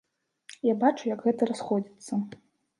Я бачу, як гэта расходзіцца.